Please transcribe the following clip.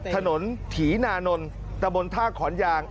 ถนนถีนานนท์ตะบนท่าขอนยาง